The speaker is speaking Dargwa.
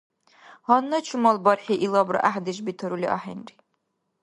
Гьанна чумал бархӀи илабра гӀяхӀдеш бетарули ахӀенри.